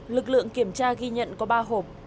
lực lượng kiểm tra ghi nhận có ba hộp